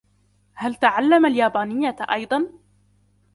هل تَعَلَمَ اليابانية أيضاً؟